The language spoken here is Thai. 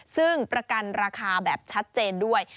ซึ่งประกันราคาแบบชัดเจนด้วย